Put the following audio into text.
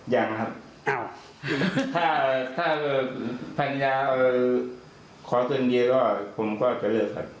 ยังครับถ้าแผ่นยาขอเชิญดีก็ผมก็จะเลือกค่ะ